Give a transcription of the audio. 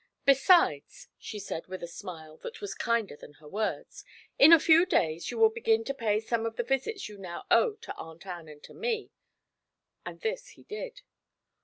'Besides,' she said with a smile that was kinder than her words, 'in a few days you will begin to pay some of the visits you now owe to Aunt Ann and to me.' And this he did.